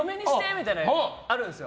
みたいなのあるんですよ。